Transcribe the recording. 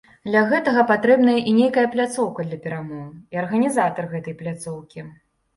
Для гэтага патрэбная і нейкая пляцоўка для перамоў, і арганізатар гэтай пляцоўкі.